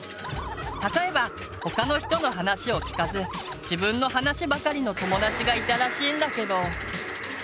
例えば他の人の話を聞かず自分の話ばかりの友達がいたらしいんだけど。